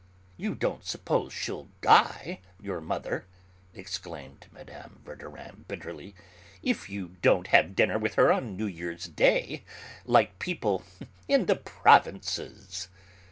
"You don't suppose she'll die, your mother," exclaimed Mme. Verdurin bitterly, "if you don't have dinner with her on New Year's Day, like people in the provinces!"